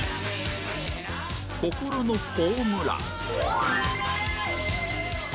心のホームラン